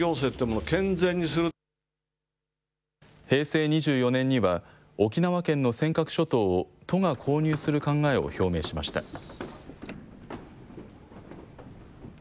平成２４年には、沖縄県の尖閣諸島を都が購入する考えを表明しました。